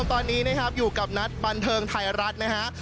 ตอนนี้นะครับอยู่กับนัดบันเทิงไทยรัฐนะฮะ